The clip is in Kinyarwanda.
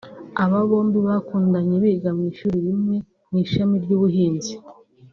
Aba bombi bakundanye biga mu ishuri rimwe mu ishami ry’ubuhinzi